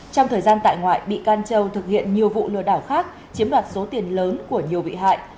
trong thời gian tại ngoại bị can châu thực hiện nhiều vụ lừa đảo khác chiếm đoạt số tiền lớn của nhiều bị hại